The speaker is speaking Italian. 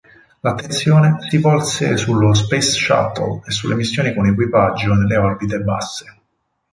L'attenzione si volse sullo Space Shuttle e sulle missioni con equipaggio nelle orbite basse.